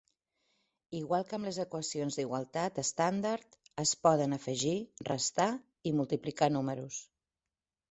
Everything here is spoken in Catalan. Igual que amb les equacions d'igualtat estàndard, es poden afegir, restar i multiplicar números.